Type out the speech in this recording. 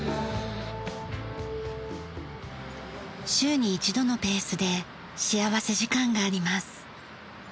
週に１度のペースで幸福時間があります。